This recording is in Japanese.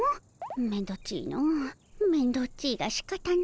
めんどっちいのめんどっちいがしかたないの。